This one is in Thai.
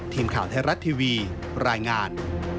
ทีมข่าวไทยรัฐทีวีรายงาน